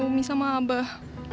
umi sama abah